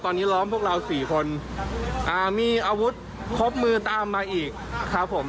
ตอนนี้ล้อมพวกเราสี่คนอ่ามีอาวุธครบมือตามมาอีกครับผม